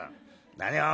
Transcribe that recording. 何を？